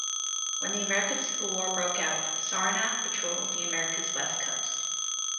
When the American Civil War broke out, "Saranac" patrolled America's West Coast.